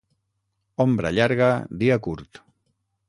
Ombra llarga, dia curt.